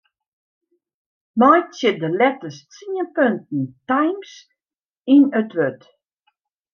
Meitsje de letters tsien punten Times yn it wurd.